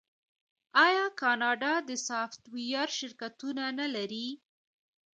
آیا کاناډا د سافټویر شرکتونه نلري؟